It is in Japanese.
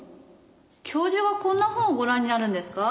教授がこんな本をご覧になるんですか？